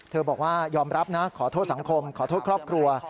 บอกว่ายอมรับนะขอโทษสังคมขอโทษครอบครัว